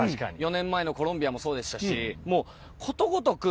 ４年前のコロンビアもそうでしたしことごとく